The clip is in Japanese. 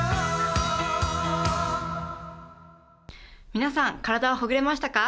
皆さん、体はほぐれましたか？